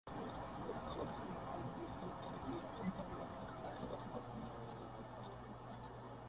Fotografió los acueductos y las depuradoras así como diversos edificios en Melbourne.